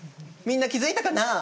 みんな気付いたかな？